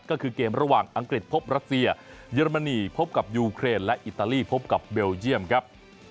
ก็คือเกมระหว่างอังกฤษพบรัสเซียเยอรมนีพบกับยูเครนและอิตาลีพบกับเบลเยี่ยมครับ